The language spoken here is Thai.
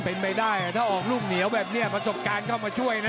เป็นไปได้ถ้าออกลูกเหนียวแบบนี้ประสบการณ์เข้ามาช่วยนะ